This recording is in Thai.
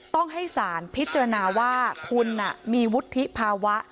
ต้องให้สารพิจารณาว่าคุณมีวุฒิภาวะ